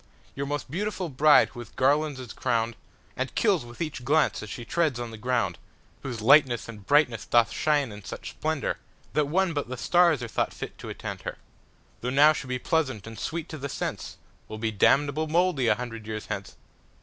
Your most beautiful bride who with garlands is crown'dAnd kills with each glance as she treads on the ground. Whose lightness and brightness doth shine in such splendourThat one but the starsAre thought fit to attend her, Though now she be pleasant and sweet to the sense, Will be damnable mouldy a hundred years hence.